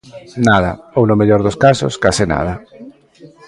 Nada, ou no mellor dos casos, case nada.